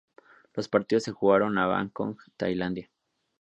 Los partidos se jugaron en Bangkok, Tailandia.